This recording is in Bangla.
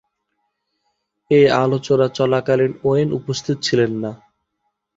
এই আলোচনা চলাকালীন ওয়েন উপস্থিত ছিলেন না।